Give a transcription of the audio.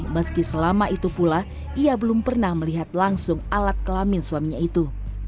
meski selama itu pula ia belum pernah melihat langsung alat kelamin suaminya itu